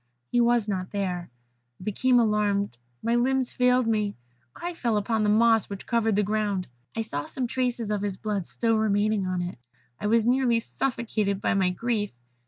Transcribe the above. He was not there. I became alarmed; my limbs failed me; I fell upon the moss which covered the ground. I saw some traces of his blood still remaining on it. I was nearly suffocated by my grief.